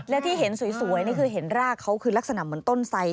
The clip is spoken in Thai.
และที่เห็นสวยนี่คือเห็นรากเขาคือลักษณะเหมือนต้นไส